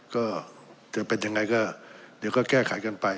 ก็จะเป็นยังไงก็เดี๋ยวก็แก้ไขกันไป